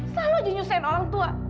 selalu jeniusain orang tua